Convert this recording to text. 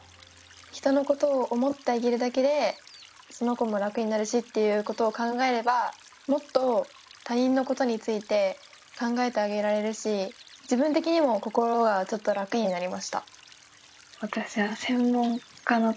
人のことを思ってあげるだけでその子も楽になるしっていうことを考えればもっと他人のことについて考えてあげられるし自分的にも心がちょっと楽になりました。